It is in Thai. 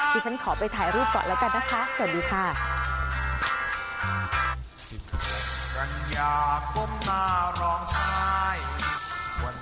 ฉันขอไปถ่ายรูปก่อนแล้วกันนะคะสวัสดีค่ะ